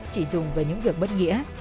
chỉ dùng vào những việc bất nghĩa